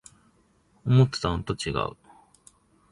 思ってたのとちがう